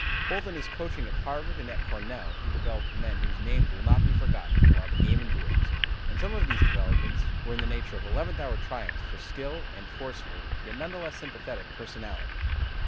Both in his coaching at Harvard and at Cornell he developed men whose names will not be forgotten while the game endures, and some of these developments were in the nature of eleventh hour triumphs for skill and forceful, yet none the less sympathetic, personality.